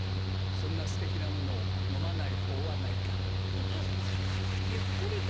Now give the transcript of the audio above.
そんなステキなものを飲まない法はないから。